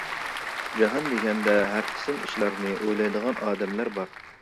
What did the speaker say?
جاھان دېگەندە ھەر قىسما ئىشلارنى ئويلايدىغان ئادەملەر بار.